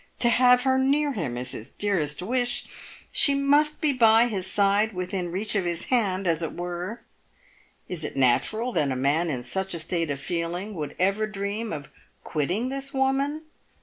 To have her near him is his dearest wish. She must be by his side within reach of his hand, as it were. Is it natural that a man in such a state of feeling would ever dream of quitting this woman